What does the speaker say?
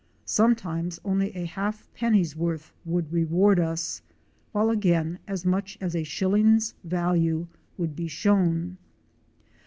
Sometimes only a half penny's worth would reward us, while again as much as a shilling's value would be shown.